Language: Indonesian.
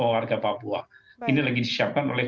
warga papua ini lagi disiapkan oleh